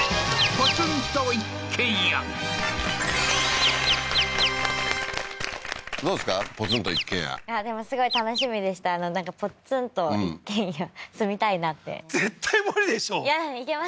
ポツンと一軒家でもすごい楽しみでしたなんかポツンと一軒家住みたいなって絶対無理でしょいやいけます